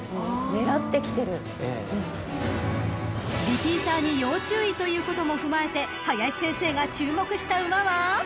［リピーターに要注意ということも踏まえて林先生が注目した馬は］